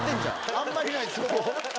あんまりないです。